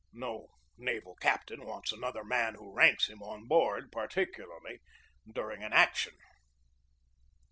No naval cap tain wants another man who ranks him on board, particularly during an action.